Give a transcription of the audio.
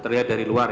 terlihat dari luar